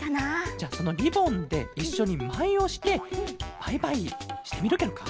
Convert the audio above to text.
じゃそのリボンでいっしょにまいをしてバイバイしてみるケロか？